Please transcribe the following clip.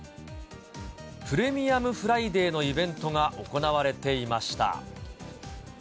プレミアムフライデーのイベントが行われていました。